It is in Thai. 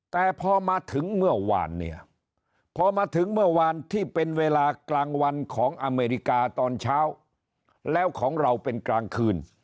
แต่พอมาถึงเมื่อวานเนี่ยพอมาถึงเมื่อวานที่เป็นเวลากลางวันของอเมริกาตอนเช้าแล้วของเราเป็นกลางคืน